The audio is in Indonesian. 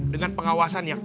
dengan pengawasan yang